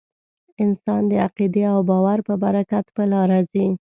انسان د عقیدې او باور په برکت په لاره ځي.